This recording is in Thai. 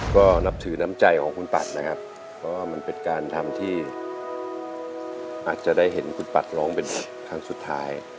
ก็นับถือน้ำใจของคุณปัตรว่ามันเป็นการทำที่อาจจะได้เห็นคุณปัตรร้องเป็นนเมื่อครั้งสุดท้าย